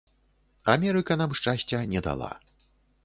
Амерыка нам шчасця не дала.